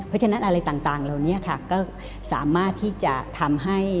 เพราะฉะนั้นอะไรต่างเหล่านี้ค่ะก็สามารถที่จะทำให้